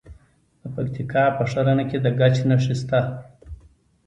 د پکتیکا په ښرنه کې د ګچ نښې شته.